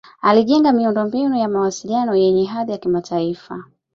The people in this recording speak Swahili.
alijenga miundo mbinu ya mawasiliano yenye hadhi ya kimataifa